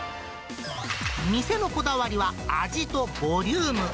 店のこだわりは、味とボリューム。